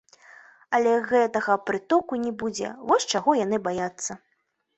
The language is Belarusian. Але гэтага прытоку не будзе, вось чаго яны баяцца.